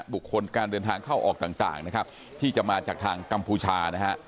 บุคคลการเดินทางเข้าออกต่างนะครับที่จะมาจากทางกัมพูชานะฮะ